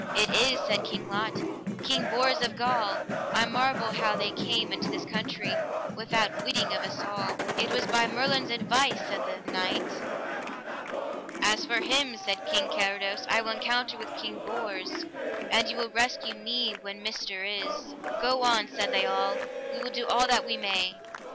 It is, said King Lot, King Bors of Gaul; I marvel how they came into this country without witting of us all. It was by Merlin's advice, said the knight. As for him, said King Carados, I will encounter with King Bors, an ye will rescue me when myster is. Go on, said they all, we will do all that we may.